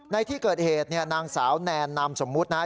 ในที่เกิดเหตุเนี่ยนางสาวแนนนามสมมุตินะฮะ